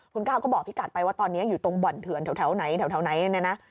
คุณก้าก็บอกพี่กัดไปว่าตอนนี้อยู่ตรงบ่อนเถือนแถวไหนนะ